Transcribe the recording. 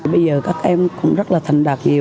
bây giờ các em cũng rất là thành đạt nhiều